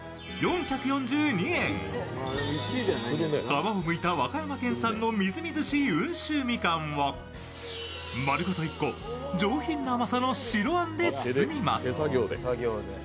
皮をむいた和歌山県産のみずみずしい温州みかんをまるごと１個上品な甘さの白あんで包みます。